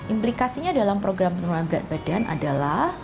implikasinya dalam program penurunan berat badan adalah